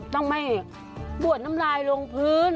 ต้องไม่บวชน้ำลายลงพื้น